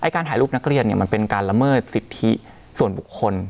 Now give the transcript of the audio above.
การถ่ายรูปนักเรียนมันเป็นการละเมิดสิทธิส่วนบุคคล